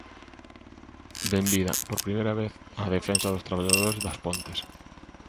Benvida, por primeira vez, á defensa dos traballadores das Pontes.